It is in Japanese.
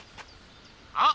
あっ！